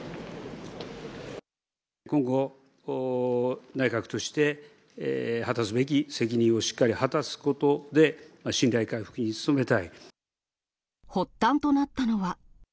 今後、内閣として果たすべき責任をしっかり果たすことで、発端となったのは。